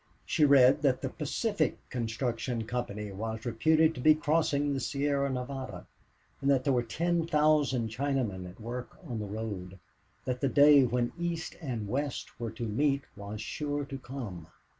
She read that the Pacific Construction Company was reputed to be crossing the Sierra Nevada, that there were ten thousand Chinamen at work on the road, that the day when East and West were to meet was sure to come.